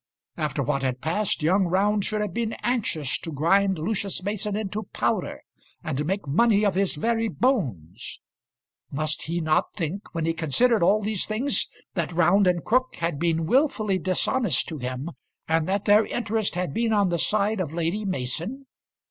After what had passed, young Round should have been anxious to grind Lucius Mason into powder, and make money of his very bones! Must he not think, when he considered all these things, that Round and Crook had been wilfully dishonest to him, and that their interest had been on the side of Lady Mason?